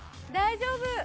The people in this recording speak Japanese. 大丈夫！